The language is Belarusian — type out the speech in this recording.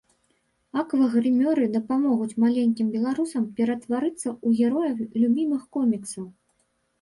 Аквагрымёры дапамогуць маленькім беларусам ператварыцца ў герояў любімых коміксаў.